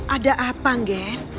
ada apa ngger